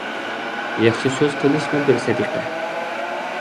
ياخشى سۆز قىلىشىمۇ بىر سەدىقە.